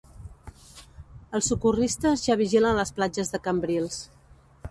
Els socorristes ja vigilen les platges de Cambrils.